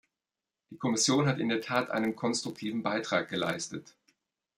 Die Kommission hat in der Tat einen konstruktiven Beitrag geleistet.